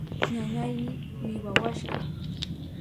Ñañayni wiwawashka.